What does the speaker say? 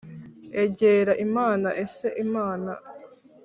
Egera imana ese imana